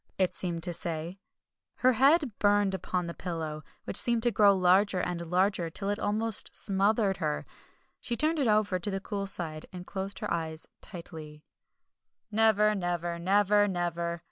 it seemed to say. Her head burned upon the pillow, which seemed to grow larger and larger, till it almost smothered her. She turned it over to the cool side, and closed her eyes tightly. "Never never! Never never!"